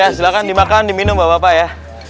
ya silakan dimakan diminum bapak ya